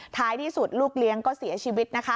ท้ายที่สุดลูกเลี้ยงก็เสียชีวิตนะคะ